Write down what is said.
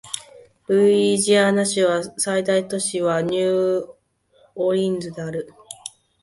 ルイジアナ州の最大都市はニューオーリンズである